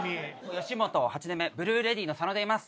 吉本８年目ブルーレディの佐野といいます。